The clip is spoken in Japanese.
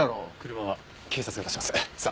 車は警察が出します。